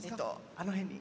あの辺に。